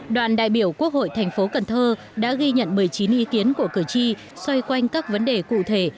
đoàn đại biểu quốc hội thành phố cần thơ đã ghi nhận một mươi chín ý kiến của cử tri xoay quanh các vấn đề cụ thể